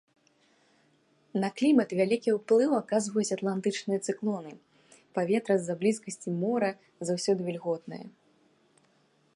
На клімат вялікі ўплыў аказваюць атлантычныя цыклоны, паветра з-за блізкасці мора заўсёды вільготнае.